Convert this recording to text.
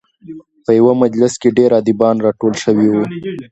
په یوه مجلس کې ډېر ادیبان راټول شوي وو.